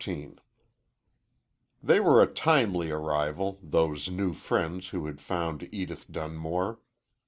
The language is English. XIV THEY were a timely arrival those new friends who had found Edith Dunmore.